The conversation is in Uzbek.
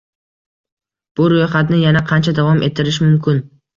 Bu ro‘yxatni yana qancha davom ettirish mumkin?